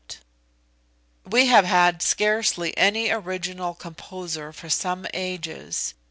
"We have had scarcely any original composer for some ages.